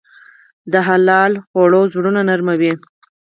د حلال خوړو زړونه نرموي.